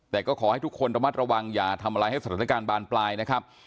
แต่ก็ขอให้ทุกคนระมัดระวังอย่าทำอะไรให้สถานการณ์บานปลายนะครับ